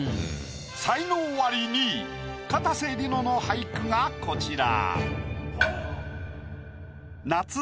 才能アリ２位かたせ梨乃の俳句がこちら。